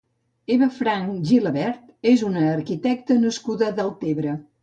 Eva Franch Gilabert és una arquitecta nascuda a Deltebre.